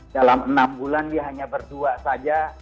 dalam enam bulan dia hanya berdua saja